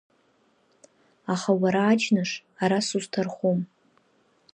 Аха, уара аџьныш, ара сузҭархом!